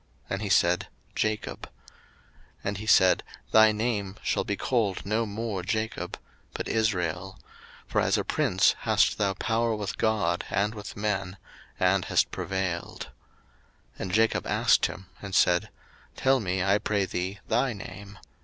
And he said, Jacob. 01:032:028 And he said, Thy name shall be called no more Jacob, but Israel: for as a prince hast thou power with God and with men, and hast prevailed. 01:032:029 And Jacob asked him, and said, Tell me, I pray thee, thy name.